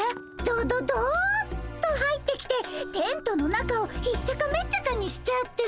ドドドッと入ってきてテントの中をひっちゃかめっちゃかにしちゃってさ。